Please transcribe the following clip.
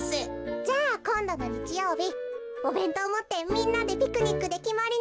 じゃあこんどのにちようびおべんとうをもってみんなでピクニックできまりね。